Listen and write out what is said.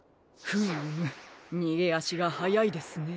フームにげあしがはやいですね。